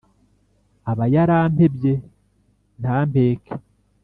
Aba yarampebye ntampeke